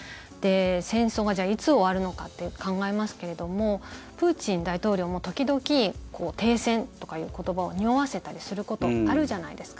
戦争がじゃあ、いつ終わるのかと考えますけれどもプーチン大統領も時々、停戦とかいう言葉をにおわせたりすることあるじゃないですか。